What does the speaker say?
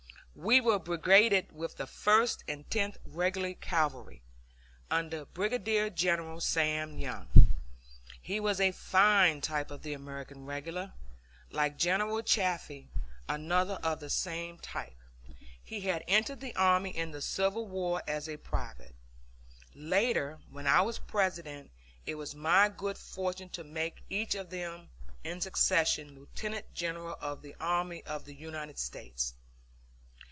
We were brigaded with the First and Tenth Regular Cavalry, under Brigadier General Sam Young. He was a fine type of the American regular. Like General Chaffee, another of the same type, he had entered the army in the Civil War as a private. Later, when I was President, it was my good fortune to make each of them in succession Lieutenant General of the army of the United States.